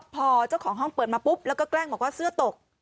พอเจ้าของห้องเปิดมาปุ๊บแล้วก็แกล้งบอกว่าเสื้อตก